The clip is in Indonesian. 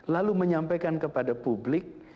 lalu menyampaikan kepada publik